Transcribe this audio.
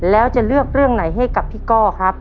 แล้วจะเลือกเรื่องไหนให้กับพี่ก้อครับ